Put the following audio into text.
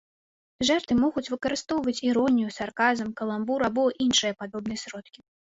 Жарты могуць выкарыстоўваць іронію, сарказм, каламбур або іншыя падобныя сродкі.